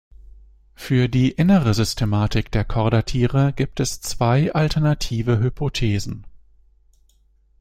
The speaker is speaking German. Für die innere Systematik der Chordatiere gibt es zwei alternative Hypothesen.